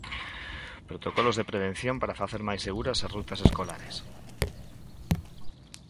Protocolos de prevención para facer máis seguras as rutas escolares.